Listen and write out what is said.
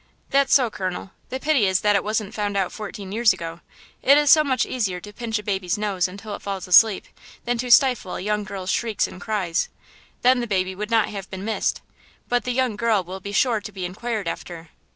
"That's so, colonel–the pity is that it wasn't found out fourteen years ago. It is so much easier to pinch a baby's nose until it falls asleep than to stifle a young girl's shrieks and cries–then the baby would not have been missed–but the young girl will be sure to be inquired after."